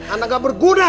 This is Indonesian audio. anak gak berguna